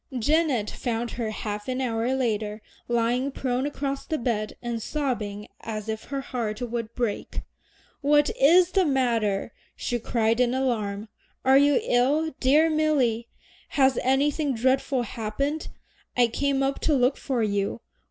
Janet found her half an hour later lying prone across the bed, and sobbing as if her heart would break. "What is the matter?" she cried in alarm. "Are you ill, dear Milly? has anything dreadful happened? I came up to look for you.